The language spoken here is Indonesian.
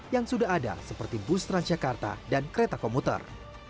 yang sudah ada seperti bus transjakarta dan kereta komuter